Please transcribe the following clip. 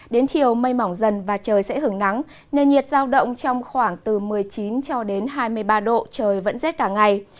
đến chiều mây mỏng dần và trời sẽ hứng nắng nền nhiệt giao động trong khoảng từ một mươi chín cho đến hai mươi ba độ trời vẫn rét cả ngày